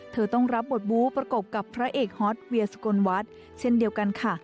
เธอต้องรับบทบู้ประกบกับพระเอกฮอตเวียสกลวัฒน์เช่นเดียวกันค่ะ